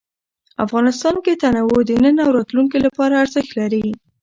افغانستان کې تنوع د نن او راتلونکي لپاره ارزښت لري.